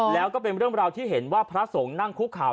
แล้วก็เป็นเรื่องราวที่เห็นว่าพระสงฆ์นั่งคุกข่าว